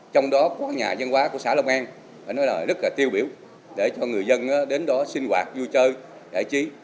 trong đó có nhà văn hóa của xã long an rất là tiêu biểu để cho người dân đến đó sinh hoạt vui chơi đại trí